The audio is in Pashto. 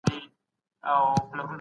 دغه تصرف ئې نافذ دی.